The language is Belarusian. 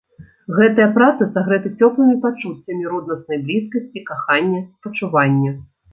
Гэтыя працы сагрэты цёплымі пачуццямі роднаснай блізкасці, кахання, спачування.